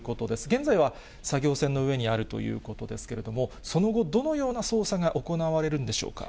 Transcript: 現在は作業船の上にあるということですけれども、その後、どのような捜査が行われるんでしょうか。